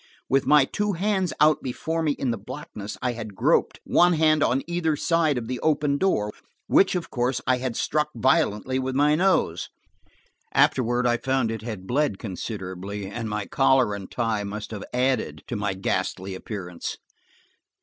With my two hands out before me in the blackness I had groped, one hand on either side of the open door, which of course I had struck violently with my nose. Afterward I found it had bled considerably, and my collar and tie must have added to my ghastly appearance.